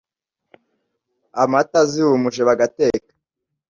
Amata zihumuje bagateka.